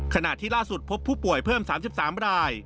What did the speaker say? ขณะที่ล่าสุดพบผู้ป่วยเพิ่ม๓๓ราย